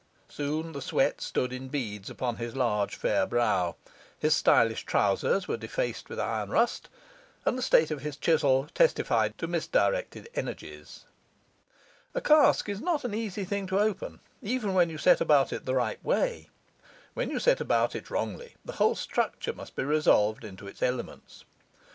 Soon the sweat stood in beads upon his large, fair brow; his stylish trousers were defaced with iron rust, and the state of his chisel testified to misdirected energies. A cask is not an easy thing to open, even when you set about it in the right way; when you set about it wrongly, the whole structure must be resolved into its elements.